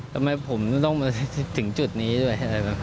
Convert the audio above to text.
ทำไมผมก็ต้องถึงจุดนี้ด้วย